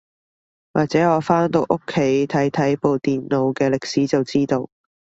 或者我返到屋企睇睇部電腦嘅歷史就知道